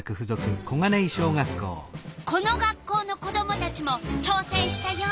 この学校の子どもたちもちょうせんしたよ。